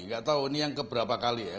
nggak tahu ini yang keberapa kali ya